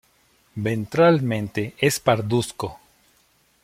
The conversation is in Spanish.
Ventralmente es parduzco.